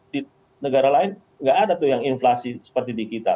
di negara lain nggak ada tuh yang inflasi seperti di kita